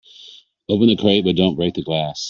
Open the crate but don't break the glass.